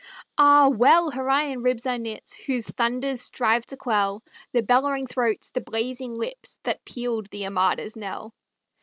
Ah, well her iron ribs are knit, Whose thunders strive to quell The bellowing throats, the blazing lips, That pealed the Armada's knell!